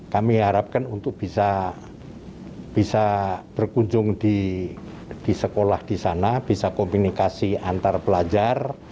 kami harapkan untuk bisa berkunjung di sekolah di sana bisa komunikasi antar pelajar